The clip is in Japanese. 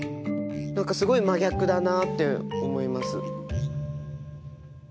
何かすごい真逆だなって思います。